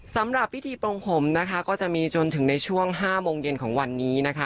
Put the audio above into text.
สำหรับวิธีปรงขมก็จะมีจนถึงในช่วง๕โมงเย็นของวันนี้